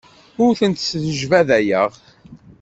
Ur tent-snejbadayeɣ.